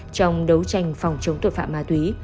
trong đấu tranh phòng chống tội phạm ma túy